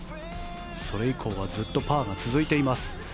それ以降はずっとパーが続いています。